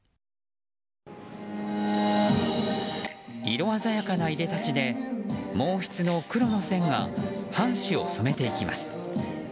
色鮮やかないでたちで毛筆の黒の線が半紙を染めていきます。